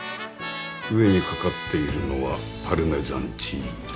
上にかかっているのはパルメザンチーズ？